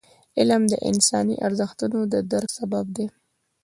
علم د انساني ارزښتونو د درک سبب دی.